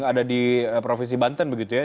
ada di provinsi banten begitu ya